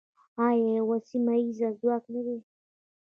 آیا یو سیمه ییز ځواک نه دی؟